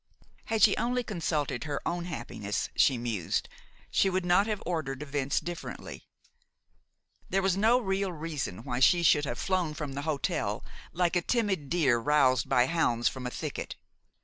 Had she only consulted her own happiness, she mused, she would not have ordered events differently. There was no real reason why she should have flown from the hotel like a timid deer roused by hounds from a thicket.